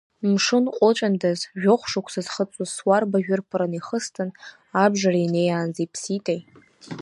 Мшын ҟәыҵәандаз жәохә шықәса зхыҵуаз суарбажә ырԥырны ихысҵан, абжара инеиаанӡа иԥситеи!